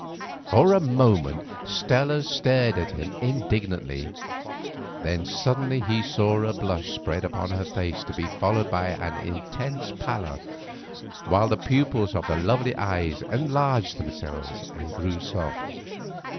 For a moment Stella stared at him indignantly. Then suddenly he saw a blush spread upon her face to be followed by an intense pallor, while the pupils of the lovely eyes enlarged themselves and grew soft.